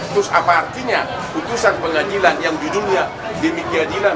terus apa artinya putusan pengadilan yang di dunia demikianilang